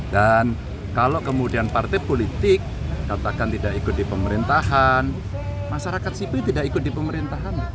dan kalau kemudian partai politik katakan tidak ikut di pemerintahan masyarakat sipil tidak ikut di pemerintahan